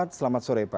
terima kasih pak